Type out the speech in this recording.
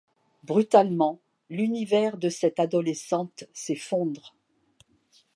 Brutalement, l'univers de cette adolescente s'effondre...